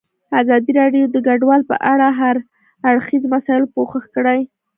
ازادي راډیو د کډوال په اړه د هر اړخیزو مسایلو پوښښ کړی.